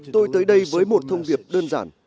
tôi tới đây với một thông điệp đơn giản